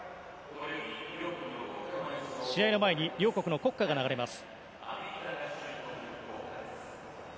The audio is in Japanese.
試合の前に両国の国歌が流れます。